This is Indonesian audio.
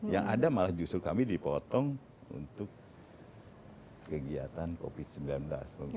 yang ada malah justru kami dipotong untuk kegiatan covid sembilan belas